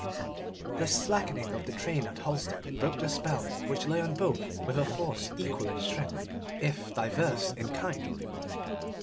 The slackening of the train at Halstead broke the spell which lay on both with a force equal in strength, if diverse in kind.